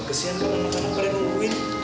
kesian kan anak anak pada nungguin